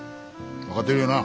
分かってるよな。